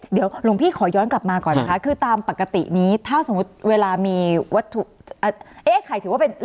อ๋อเดี๋ยวหลุงพี่ขอย้อนกลับมาก่อนนะคะคือตามปกตินี้ถ้าสมมติเวลามีวัดถูอโยคโลย์